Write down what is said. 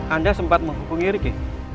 anda sempat menghubungi riki